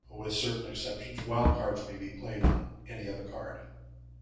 With certain exceptions, wildcards may be played on any other card.